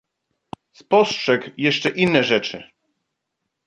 "Spostrzegł jeszcze inne rzeczy."